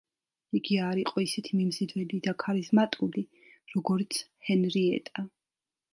იგი არ იყო ისეთი მიმზიდველი და ქარიზმატული, როგორიც ჰენრიეტა.